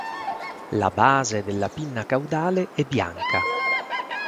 La base della pinna caudale è bianca.